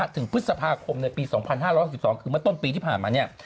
ถึงพฤษภาคมในปี๒๕๖๒คือเมื่อต้นปีที่ผ่านมาเนี่ย